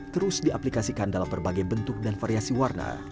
terus diaplikasikan dalam berbagai bentuk dan variasi warna